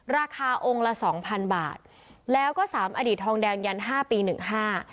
ราคาองค์ละสองพันบาทแล้วก็สามอดีตทองแดงยันห้าปีหนึ่งห้า